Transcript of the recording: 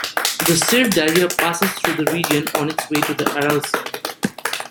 The Syr Darya passes through the region, on its way to the Aral Sea.